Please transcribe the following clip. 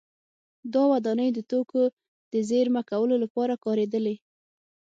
دا ودانۍ د توکو د زېرمه کولو لپاره کارېدلې